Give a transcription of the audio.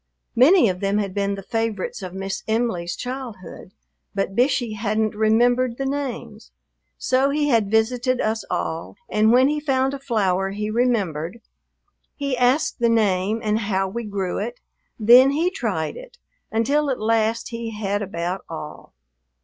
Many of them had been the favorites of Miss Em'ly's childhood, but Bishey hadn't remembered the names; so he had visited us all, and when he found a flower he remembered, he asked the name and how we grew it, then he tried it, until at last he had about all.